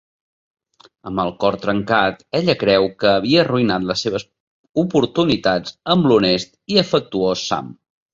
Amb el cor trencat, ella creu que havia arruïnat les seves oportunitats amb l'honest i afectuós Sam.